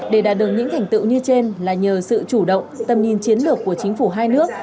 để đạt được những thành tựu như trên là nhờ sự chủ động tầm nhìn chiến lược của chính phủ hai nước